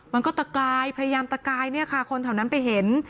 มันก็ตะกายพยายามตะกายเนี่ยค่ะคนแถวนั้นไปเห็น